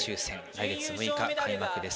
来月６日開幕です。